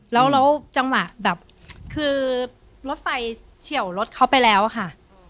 แล้วจังหวะแบบคือรถไฟเฉียวรถเขาไปแล้วอะค่ะ